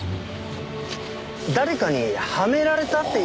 誰かにはめられたって。